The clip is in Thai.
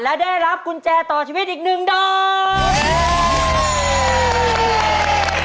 และได้รับกุญแจต่อชีวิตอีกหนึ่งดอก